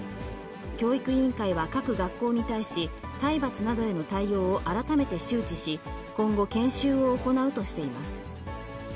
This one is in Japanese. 教育委員会は各学校に対し、体罰などへの対応を改めて周知し、今後、研修を行うとしています。